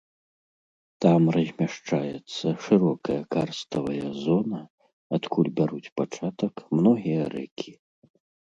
Там размяшчаецца шырокая карставая зона, адкуль бяруць пачатак многія рэкі.